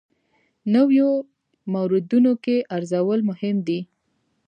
نویو موردونو کې ارزول مهم دي.